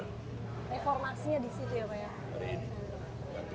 reformasinya disitu ya pak ya